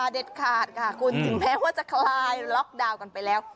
เด็ดขาดค่ะคุณถึงแม้ว่าจะคลายล็อกดาวน์กันไปแล้ว